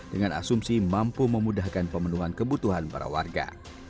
dengan asumsi mampu memudahkan pemenuhan kebutuhan para warga